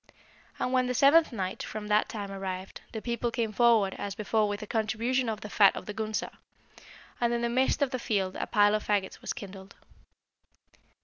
"And when the seventh night from that time arrived, the people came forward as before with a contribution of the fat of the Gunsa; and in the midst of the field a pile of fagots was kindled.